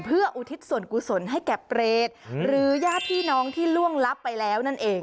เพื่อ